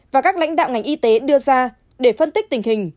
và các lãnh đạo ngành y tế đưa ra để phân tích tình hình